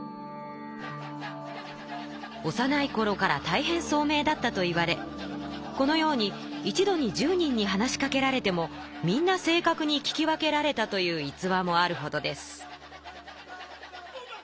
おさないころからたいへんそうめいだったといわれこのように一度に１０人に話しかけられてもみんな正確に聞き分けられたという逸話もあるほどです。